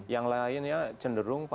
yang lainnya cenderung pada